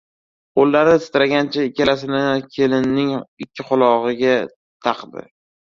Qo‘llari titragancha ikkalasini kelinning ikki qulog‘iga taqdi.